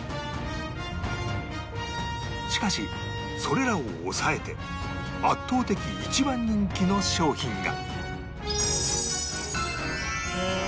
しかしそれらを抑えて圧倒的一番人気の商品が